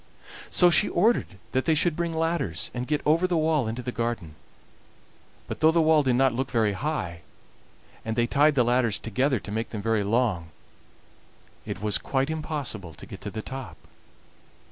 So she ordered that they should bring ladders, and get over the wall into the garden; but though the wall did not look very high, and they tied the ladders together to make them very long, it was quite impossible to get to the top.